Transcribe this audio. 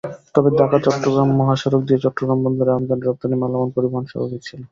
তবে ঢাকা-চট্টগ্রাম মহাসড়ক দিয়ে চট্টগ্রাম বন্দরে আমদানি-রপ্তানি মালামাল পরিবহন স্বাভাবিক ছিল।